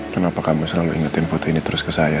kenapa kamu selalu ingetin foto ini terus ke saya